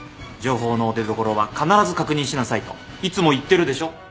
情報の出どころは必ず確認しなさいといつも言ってるでしょ。